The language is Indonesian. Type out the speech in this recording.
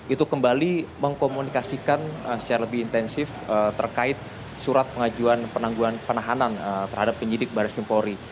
itu kembali mengkomunikasikan secara lebih intensif terkait surat pengajuan penangguhan penahanan terhadap penyidik baris kempori